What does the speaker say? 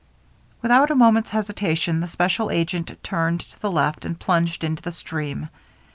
Without a moment's hesitation the special agent turned to the left and plunged into the stream.